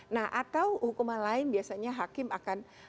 nah atau hukuman lain biasanya hakim akan